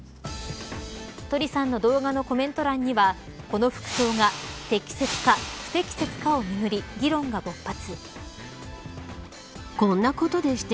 トリさんの動画のコメント欄にはこの服装が適切か、不適切かをめぐり議論が勃発。